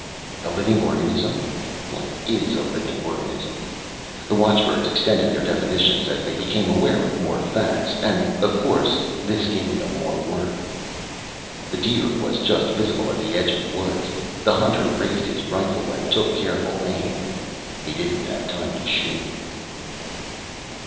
A living organism? What is a living organism? The watchbirds extended their definitions as they became aware of more facts. And, of course, this gave them more work. The deer was just visible at the edge of the woods. The hunter raised his rifle, and took careful aim. He didn't have time to shoot.